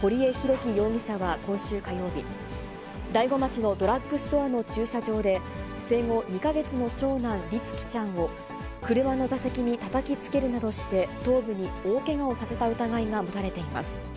輝容疑者は今週火曜日、大子町のドラッグストアの駐車場で、生後２か月の長男、律希ちゃんを、車の座席にたたきつけるなどして、頭部に大けがをさせた疑いが持たれています。